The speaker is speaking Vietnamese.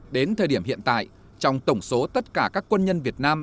đến thời điểm hiện tại trong tổng số tất cả các quân nhân việt nam